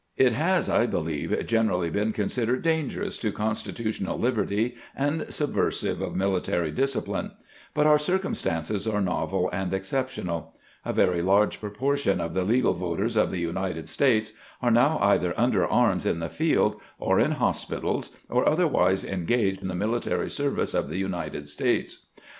It has, I believe, generally been considered dangerous to constitutional liberty and subversive of military discipline. But our circumstances 21 321 322 CAMPAIGNING WITH GRANT are novel and exceptional. A very large proportion of the legal voters of the United States are now either under arms in the field, or in hospitals, or otherwise engaged in the military service of the United States.